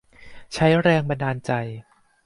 ใช้แรงบันดาลใจ